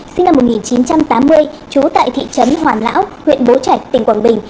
sinh năm một nghìn chín trăm tám mươi trú tại thị trấn hoàn lão huyện bố trạch tỉnh quảng bình